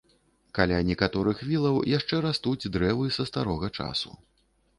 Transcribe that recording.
Каля некаторых вілаў яшчэ растуць дрэвы са старога часу.